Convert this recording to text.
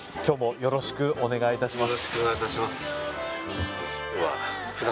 よろしくお願いします。